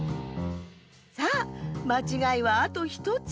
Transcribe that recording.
さあまちがいはあと１つ。